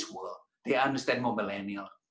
mereka memahami dunia milenial